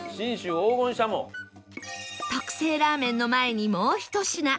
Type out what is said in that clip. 特製ラーメンの前にもう１品